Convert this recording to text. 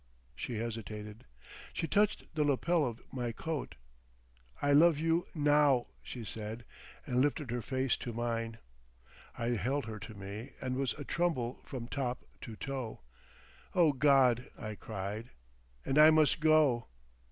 She hesitated. She touched the lapel of my coat. "I love you NOW," she said, and lifted her face to mine. I held her to me and was atremble from top to toe. "O God!" I cried. "And I must go!"